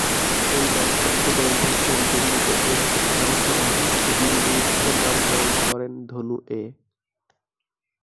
এই নক্ষত্র বেল্টের কেন্দ্রের নিকটে একটি ঘন সন্নিবিষ্ট বিন্দু উৎসের নামকরণ করেন ধনু-এ।